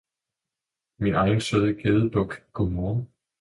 min egen søde gedebuk, god morgen!